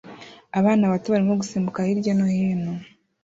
Abana bato barimo gusimbuka hirya no hino